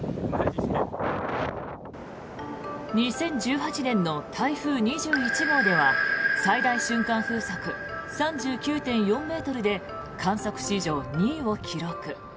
２０１８年の台風２１号では最大瞬間風速３９．４ｍで観測史上２位を記録。